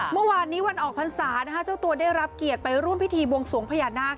เมื่อวานนี้วันออกพรรษาเจ้าตัวได้รับเกียรติไปร่วมพิธีบวงสวงพญานาค